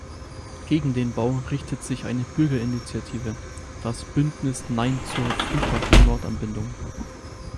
Gegen den Bau richtet sich eine Bürgerinitiative, das „Bündnis Nein zur Flughafen-Nordanbindung“.